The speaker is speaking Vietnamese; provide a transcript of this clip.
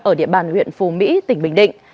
ở địa bàn huyện phù mỹ tỉnh bình định